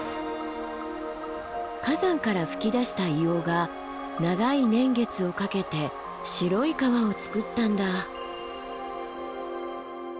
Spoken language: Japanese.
火山から噴き出した硫黄が長い年月をかけて白い川をつくったんだ。